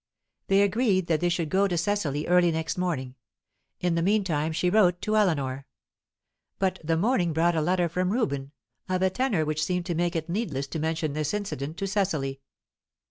They agreed that she should go to Cecily early next morning. In the meantime she wrote to Eleanor. But the morning brought a letter from Reuben, of a tenor which seemed to make it needless to mention this incident to Cecily.